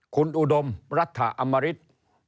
คุณอุดมรัฐอำริษฐ์